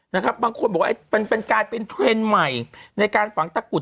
นะครับบางคนบอกว่าเป็นกลายเป็นเทรนด์ใหม่ในการฝังตะกรุด